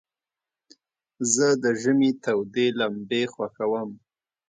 زه د ژمي تودي لمبي خوښوم.